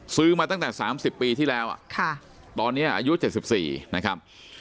ซื้อมาตั้งแต่๓๐ปีที่แล้วตอนนี้อายุ๗๔นะครับ